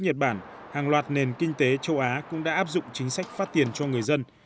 nhật bản hàng loạt nền kinh tế châu á cũng đã áp dụng chính sách phát tiền cho người dân